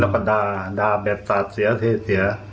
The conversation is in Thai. จะด่าแบบสาทเสียเทศ